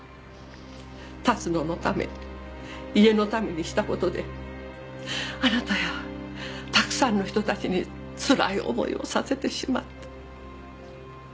龍野のため家のためにしたことであなたやたくさんの人たちにつらい思いをさせてしまった。